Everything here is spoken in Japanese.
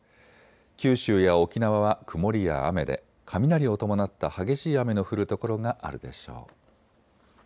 九州や沖縄は曇りや雨で雷を伴った激しい雨の降るところがあるでしょう。